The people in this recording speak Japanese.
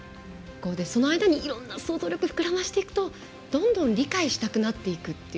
その間にいろんな想像力を膨らませていくとどんどん理解したくなっていくという。